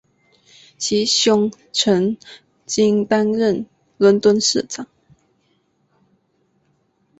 其兄曾经担任伦敦市长。